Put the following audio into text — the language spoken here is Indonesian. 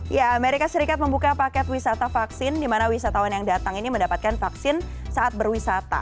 ya amerika serikat membuka paket wisata vaksin di mana wisatawan yang datang ini mendapatkan vaksin saat berwisata